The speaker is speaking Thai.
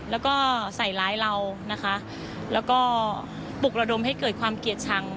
แล้วก็ใส่ร้ายเรานะคะแล้วก็ปลุกระดมให้เกิดความเกลียดชัง